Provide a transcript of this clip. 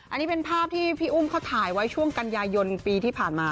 อันนี้เป็นภาพที่พี่อุ้มเขาถ่ายไว้ช่วงกันยายนปีที่ผ่านมา